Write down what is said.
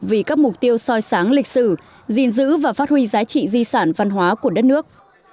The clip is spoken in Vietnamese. vì các mục tiêu soi sáng lịch sử gìn giữ và phát huy giá trị di sản văn hóa của đất nước